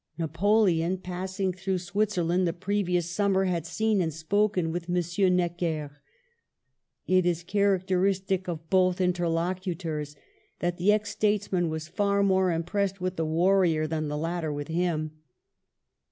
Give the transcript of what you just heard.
Napo leon, passing through Switzerland the previous summer, had seen and spoken with M. Necker. It is characteristic of both interlocutors that the ex statesman was far more impressed with the warrior than the latter with him.